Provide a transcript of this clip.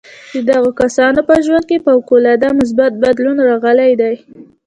د دغو کسانو په ژوند کې فوق العاده مثبت بدلون راغلی دی